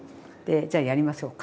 じゃやりましょうか。